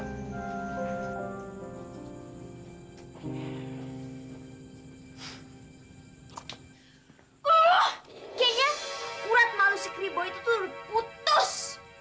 oh kayaknya urat malu sakribo itu tuh udah putus